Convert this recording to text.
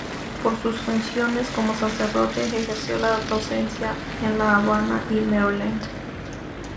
Por sus funciones como sacerdote ejerció la docencia en La Habana y en Maryland.